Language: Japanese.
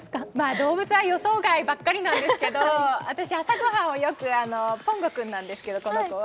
動物は予想外ばっかりなんですけど、私朝ごはんよくポンゴ君なんですけど、この子は。